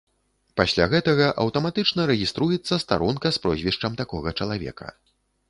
Пасля гэтага аўтаматычна рэгіструецца старонка з прозвішчам такога чалавека.